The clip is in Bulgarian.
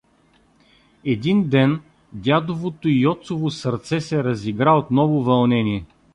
Един ден дядовото Йоцово сърце се разигра от ново вълнение.